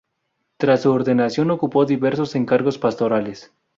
Tras su ordenación ocupó diversos encargos pastorales.